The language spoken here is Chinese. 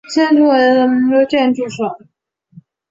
胜出设计者为建筑师。